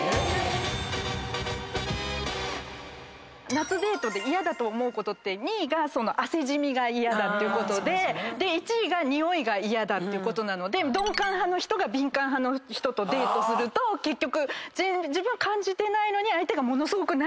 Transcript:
夏デートで嫌だと思うことって２位が汗じみが嫌だってことで１位がにおいが嫌ってことなので鈍感派が敏感派とデートすると自分は感じてないのに相手がすごく何⁉